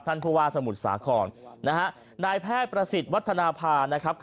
ผู้ว่าสมุทรสาครนะฮะนายแพทย์ประสิทธิ์วัฒนภานะครับ